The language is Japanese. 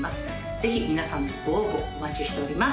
ぜひ皆さんのご応募お待ちしております